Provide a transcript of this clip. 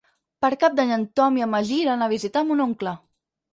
Per Cap d'Any en Tom i en Magí iran a visitar mon oncle.